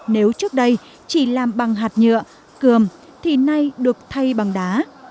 nếu trước đây chỉ làm bằng hạt nhựa cười thì nay được thay bằng đá